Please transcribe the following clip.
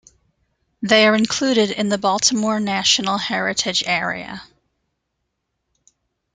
They are included in the Baltimore National Heritage Area.